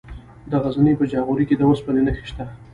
د غزني په جاغوري کې د اوسپنې نښې شته.